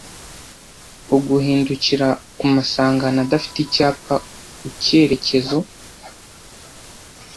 Uguhindukira ku masangano adafite icyapa Ucyerekezo.